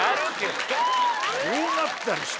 こうなったりして。